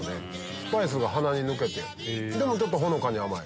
スパイスが鼻に抜けてでもちょっとほのかに甘い。